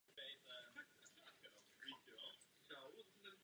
Nedaleko nich stojí kostel svatého Jana Křtitele.